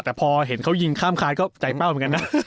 แต่พอเห็นเขายิงข้ามคานก็ใจเป้าเหมือนกันนะ